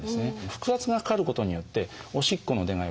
腹圧がかかることによっておしっこの出が良くなる。